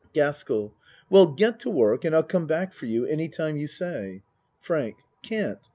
GASKELL Well get to work and I'll come back for you any time you say. FRANK Can't.